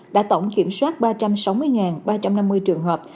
đã tổng kiểm soát ba trăm sáu mươi ba trăm năm mươi trường hợp